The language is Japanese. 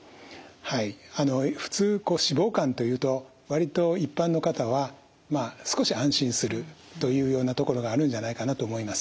はい普通脂肪肝というと割と一般の方はまあ少し安心するというようなところがあるんじゃないかなと思います。